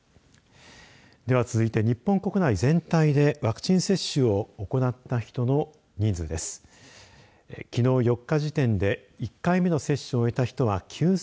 では続いて、日本国内全体でワクチン接種を行った人の人数です。